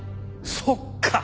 そっか。